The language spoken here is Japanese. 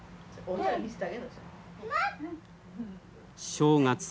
正月。